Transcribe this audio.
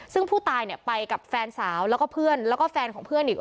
ซึ่งผู้ตายเนี่ยไปกับแฟนสาวแล้วก็เพื่อนแล้วก็แฟนของเพื่อนอีก